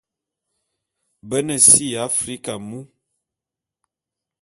Be ne si ya Africa mu.